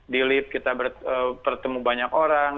di lift kita bertemu banyak orang